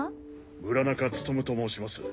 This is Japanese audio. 村中努と申します